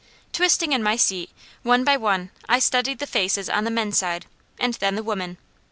Twisting in my seat, one by one I studied the faces on the men's side, and then the women.